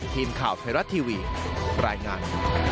ทีมข่าวไทยรัฐทีวีรายงาน